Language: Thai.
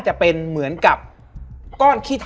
แล้วสักครั้งหนึ่งเขารู้สึกอึดอัดที่หน้าอก